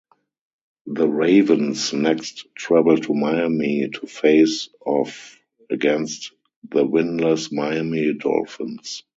The Ravens next traveled to Miami to face off against the winless Miami Dolphins.